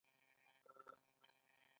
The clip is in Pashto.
منشي صېب د خپلو ارمانونو سره